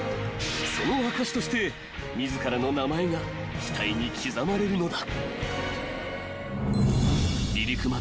［その証しとして自らの名前が機体に刻まれるのだ］